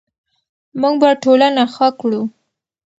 موږ به ټولنه ښه کړو.